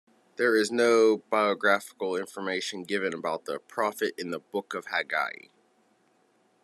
There is no biographical information given about the prophet in the Book of Haggai.